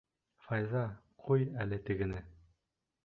Файза, ҡуй әле тегене!